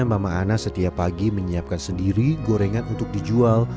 mama ana setiap pagi menyiapkan sendiri gorengan untuk dijual